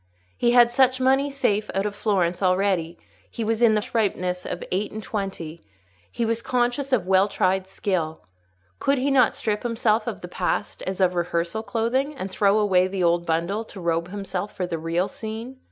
He had much money safe out of Florence already; he was in the fresh ripeness of eight and twenty; he was conscious of well tried skill. Could he not strip himself of the past, as of rehearsal clothing, and throw away the old bundle, to robe himself for the real scene?